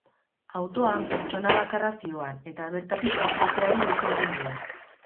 Autoan pertsona bakarra zihoan, eta bertatik irteteari uko egin dio.